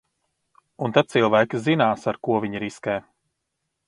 Un tad cilvēki zinās, ar ko viņi riskē.